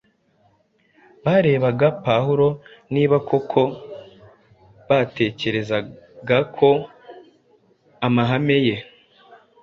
barebaga Pawulo nabi kuko batekerezaga ko amahame ye